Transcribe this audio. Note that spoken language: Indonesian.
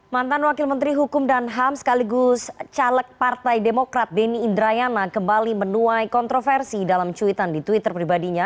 mantan wakil menteri hukum dan ham sekaligus caleg partai demokrat denny indrayana kembali menuai kontroversi dalam cuitan di twitter pribadinya